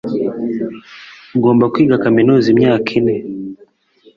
Ugomba kwiga kaminuza imyaka ine.